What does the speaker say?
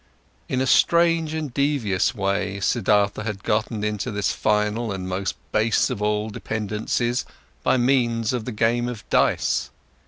In a strange and devious way, Siddhartha had gotten into this final and most base of all dependencies, by means of the game of dice.